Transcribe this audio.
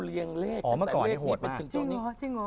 เรียงเลขกับหลักเลขนี้กับถึงจะต้อง